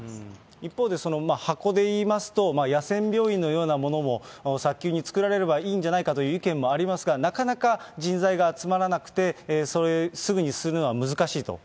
一方で、箱で言いますと、野戦病院のようなものも早急に作られればいいんじゃないかという意見もありますが、なかなか人材が集まらなくて、すぐに作るのは難しいと。